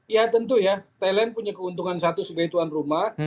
ya tentu ya thailand punya keuntungan satu sebagai tuan rumah